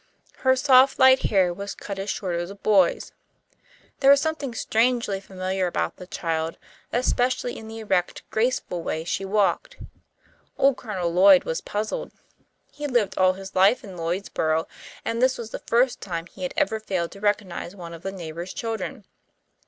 Her soft, light hair was cut as short as a boy's. There was something strangely familiar about the child, especially in the erect, graceful way she walked. Old Colonel Lloyd was puzzled. He had lived all his life in Lloydsborough, and this was the first time he had ever failed to recognize one of the neighbours' children.